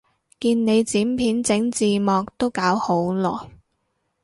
見你剪片整字幕都搞好耐